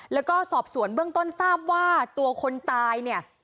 แล้วก็สอบสวนเบื้องต้นทราบว่าตัวคนตายเนี่ย